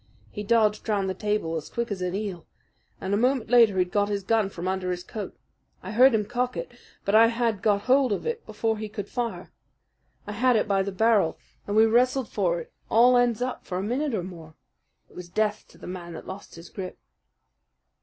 He dodged round the table as quick as an eel, and a moment later he'd got his gun from under his coat. I heard him cock it; but I had got hold of it before he could fire. I had it by the barrel, and we wrestled for it all ends up for a minute or more. It was death to the man that lost his grip.